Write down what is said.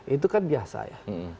itu kan biasa ya